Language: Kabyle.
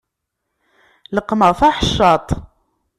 Leqqmeɣ taḥeccaḍt.